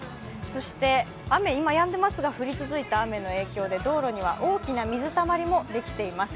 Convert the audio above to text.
そして、雨、今やんでいますが降り続いた雨の影響で道路には大きな水たまりもできています。